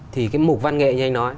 thì cái mục văn nghệ như anh nói